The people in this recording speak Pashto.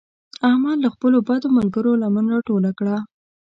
احمد له خپلو بدو ملګرو لمن راټوله کړه.